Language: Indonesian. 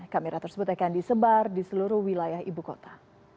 kamera tersebut akan disebar di seluruh wilayah ibu kota